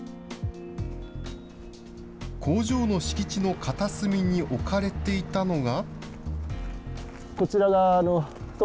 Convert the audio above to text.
工場の敷地の片隅に置かれていたのが。